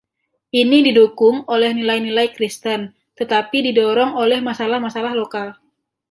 Ini didukung oleh nilai-nilai Kristen tetapi didorong oleh masalah-masalah lokal.